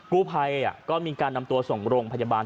กู้ภัยก็มีการนำตัวส่งโรงพยาบาล